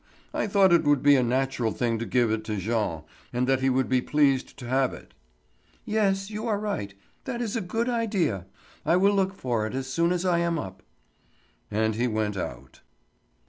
I thought it would be a natural thing to give it to Jean, and that he would be pleased to have it." "Yes, you are right; that is a good idea. I will look for it, as soon as I am up." And he went out.